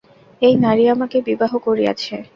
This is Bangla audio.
এই নারী আমাকে বিবাহ করিয়াছে।